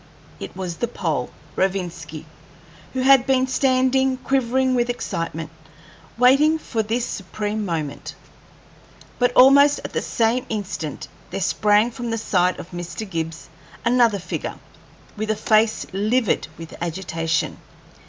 It was the Pole, Rovinski, who had been standing quivering with excitement, waiting for this supreme moment. But almost at the same instant there sprang from the side of Mr. Gibbs another figure, with a face livid with agitation.